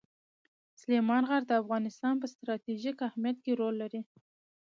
سلیمان غر د افغانستان په ستراتیژیک اهمیت کې رول لري.